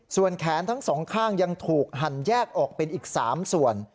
ส่วนแขนทั้งสองข้างยังถูกหั่นแยกออกเป็นอีก๓ส่วน